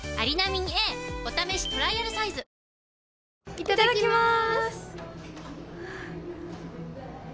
いただきまーす！